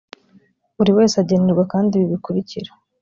buri wese agenerwa kandi ibi bikurikira